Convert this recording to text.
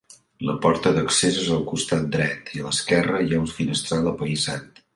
La porta d'accés és al costat dret i a l'esquerra hi ha un finestral apaïsat.